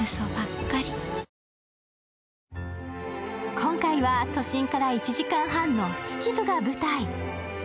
今回は都心から１時間半の秩父が舞台。